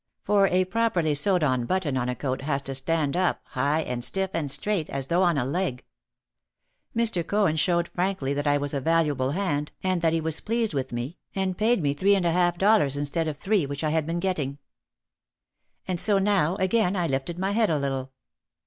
For a properly sewed on button on a coat has to stand up high and stiff and straight as though on a leg. Mr. Cohen showed frankly that I was a valuable hand and that he was pleased with me and i 3 4 OUT OF THE SHADOW paid me three and a half dollars instead of three which I had been getting. And so now again I lifted my head a little.